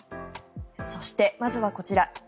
そして、まずはこちら。